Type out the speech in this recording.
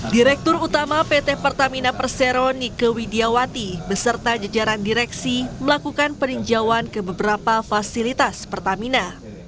direktur utama pt pertamina persero nike widiawati beserta jajaran direksi melakukan peninjauan ke beberapa fasilitas pertamina